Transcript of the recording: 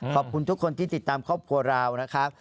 ขอบคุณทุกคนที่ติดตามครอบครัวเรานะครับ